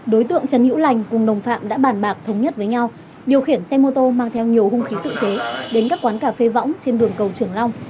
đối tượng trần hữu lành cùng đồng phạm đã bàn bạc thống nhất với nhau điều khiển xe mô tô mang theo nhiều hung khí tự chế đến các quán cà phê võng trên đường cầu trường long